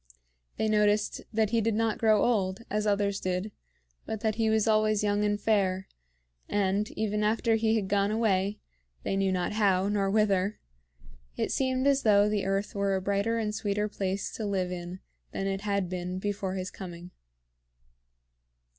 They noticed that he did not grow old, as others did, but that he was always young and fair; and, even after he had gone away, they knew not how, nor whither, it seemed as though the earth were a brighter and sweeter place to live in than it had been before his coming.